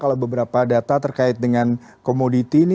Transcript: kalau beberapa data terkait dengan komoditi ini